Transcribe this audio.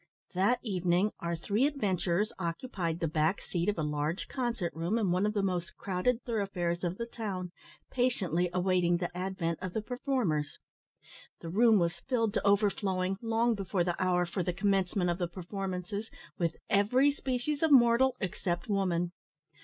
That evening our three adventurers occupied the back seat of a large concert room in one of the most crowded thoroughfares of the town, patiently awaiting the advent of the performers. The room was filled to overflowing, long before the hour for the commencement of the performances, with every species of mortal, except woman.